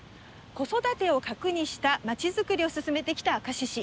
子育てを核にしたまちづくりを進めてきた明石市。